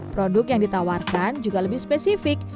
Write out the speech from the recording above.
produk yang ditawarkan juga lebih spesifik